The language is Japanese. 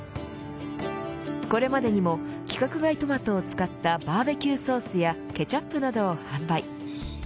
これまでにも規格外トマトを使ったバーベキューソースやケチャップなどを販売。